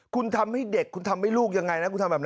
คุณทำให้เด็กคุณทำให้ลูกยังไงนะคุณทำแบบนั้น